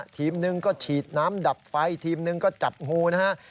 ทีมหนึ่งก็ฉีดน้ำดับไฟทีมหนึ่งก็จับงูนะฮะ